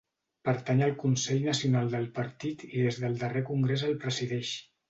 Pertany al Consell Nacional del partit i des del darrer congrés el presideix.